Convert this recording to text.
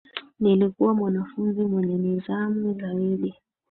Nilikuwa mwanafunzi mwenye nidhamu zaidi